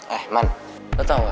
eh man lu tau gak